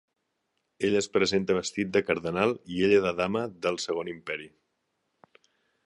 Ell es presenta vestit de cardenal i ella de dama del Segon Imperi.